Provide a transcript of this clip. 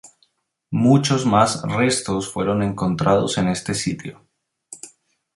Muchos más restos fueron encontrados en este sitio.